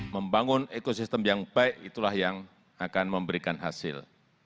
membangun ekosistem yang baik itulah yang akan memberikan hasil